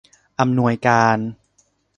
อำนวยการ